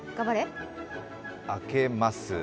開けます。